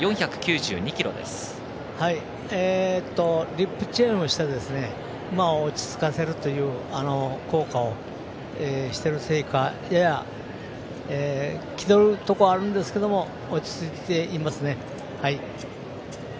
リップチェーンをして馬を落ち着かせるという効果をしてるせいかやや気取るところはあるんですけども落ち着いていますね。